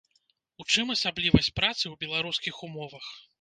У чым асаблівасць працы ў беларускіх умовах?